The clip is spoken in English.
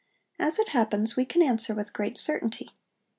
As it happens, we can answer with great certainty.